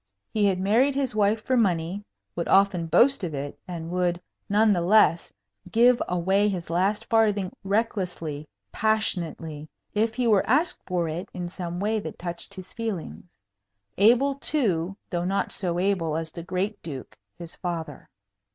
He had married his wife for money, would often boast of it, and would, none the less, give away his last farthing recklessly, passionately, if he were asked for it, in some way that touched his feelings. Able, too; though not so able as the great Duke, his father.